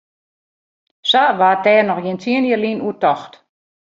Sa waard dêr noch gjin tsien jier lyn oer tocht.